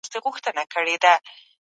د اسلام مبارک دین د ژوند بشپړ نظام دی.